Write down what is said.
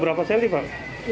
berapa cm pak